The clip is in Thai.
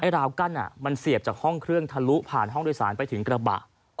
ราวกั้นมันเสียบจากห้องเครื่องทะลุผ่านห้องโดยสารไปถึงกระบะ